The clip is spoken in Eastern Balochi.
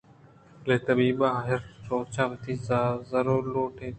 بلے طبیبءَہر روچ وتی زَرّلوٹ اِتنت